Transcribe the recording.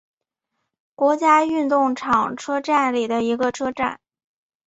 国家运动场车站里的一个车站。